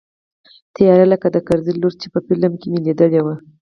تيار لکه د کرزي لور چې په فلم کښې مې ليدلې وه.